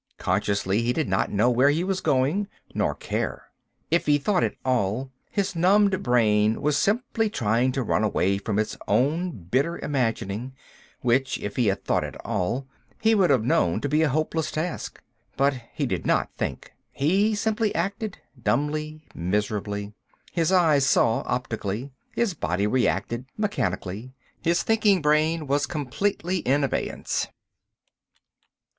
Consciously, he did not know where he was going, nor care. If he thought at all, his numbed brain was simply trying to run away from its own bitter imaging—which, if he had thought at all, he would have known to be a hopeless task. But he did not think; he simply acted, dumbly, miserably. His eyes saw, optically; his body reacted, mechanically; his thinking brain was completely in abeyance.